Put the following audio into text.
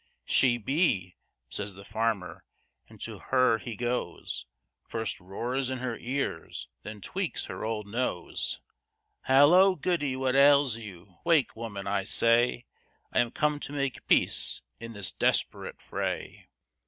"She be ," says the farmer, and to her he goes, First roars in her ears, then tweaks her old nose, "Hallo, Goody, what ails you? Wake! woman, I say; I am come to make peace, in this desperate fray.